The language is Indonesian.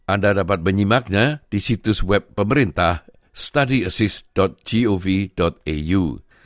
anda dapat menyimaknya di situs web pemerintah study assis gov au